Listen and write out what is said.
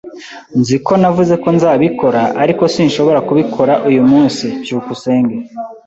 Nzi ko navuze ko nzabikora, ariko sinshobora kubikora uyu munsi. byukusenge